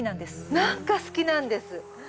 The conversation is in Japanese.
なんか好きなんです。